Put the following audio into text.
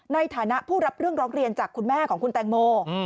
ในฐานะผู้รับเรื่องร้องเรียนจากคุณแม่ของคุณแตงโม